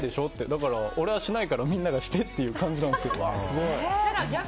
だから、俺はしないからみんながしてって感じなんですよ。